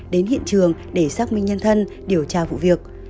đến hiện trường để xác minh nhân thân điều tra vụ việc